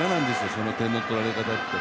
その点の取られ方って。